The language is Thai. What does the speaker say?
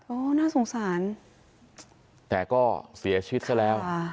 น่าสงสารแต่ก็เสียชีวิตซะแล้ว